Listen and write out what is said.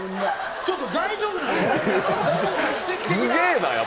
ちょっと大丈夫です？